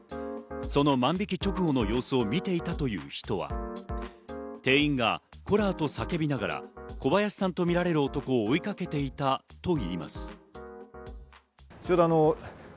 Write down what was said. その万引直後の様子を見ていたという人は店員が「コラー！」と叫びながら小林さんとみられる男を追いかけていたといいます。